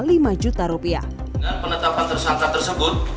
dengan penetapan tersangka tersebut